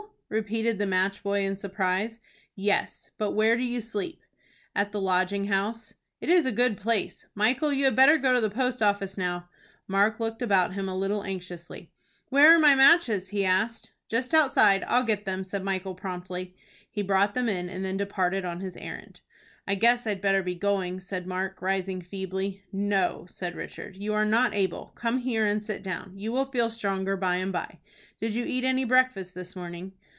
repeated the match boy, in surprise. "Yes. But where do you sleep?" "At the Lodging House." "It is a good place. Michael, you had better go to the post office now." Mark looked about him a little anxiously. "Where are my matches?" he asked. "Just outside; I'll get them," said Michael, promptly. He brought them in, and then departed on his errand. "I guess I'd better be going," said Mark, rising feebly. "No," said Richard. "You are not able. Come here and sit down. You will feel stronger by and by. Did you eat any breakfast this morning?"